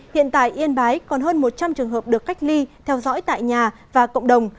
hiện tại yên bái còn hơn một trăm linh trường hợp được cách ly theo dõi tại nhà và cộng đồng